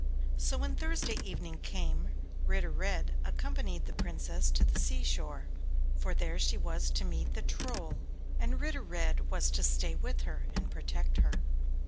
So when Thursday evening came, Ritter Red accompanied the Princess to the sea shore; for there she was to meet the Troll, and Ritter Red was to stay with her and protect her.